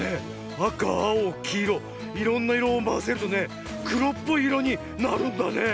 あかあおきいろいろんないろをまぜるとねくろっぽいいろになるんだね。